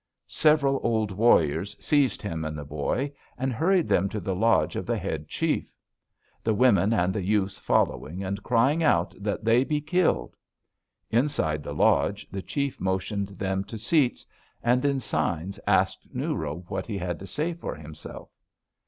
Several old warriors seized him and the boy, and hurried them to the lodge of the head chief, the women and the youths following and crying out that they be killed. Inside the lodge, the chief motioned them to seats, and in signs asked New Robe what he had to say for himself.